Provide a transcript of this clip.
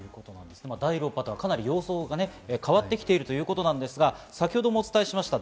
第６波とはかなり様相が変わってきているということなんですが先ほどもお伝えしました、